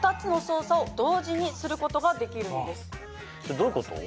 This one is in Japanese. どういうこと？